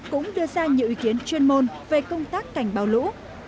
cũng đưa ra những ý kiến chuyên môn về công tác cảnh bão lũ